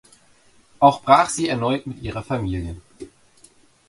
Auch brach sie erneut mit ihrer Familie.